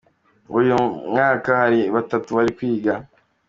Ubu uyu mwaka hari batatu bari kwiga.